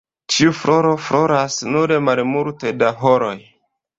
Ĉiu floro floras nur malmulte da horoj.